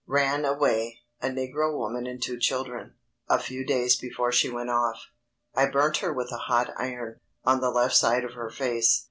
Ran away, a negro woman and two children; a few days before she went off, I burnt her with a hot iron, on the left side of her face.